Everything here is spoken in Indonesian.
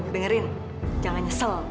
dengarin jangan nyesel